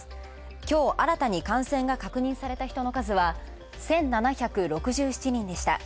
きょう新たに感染が確認された人の数は１７６７人でした。